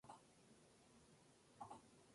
Las zonas costeras suelen estar más expuestas al Sol.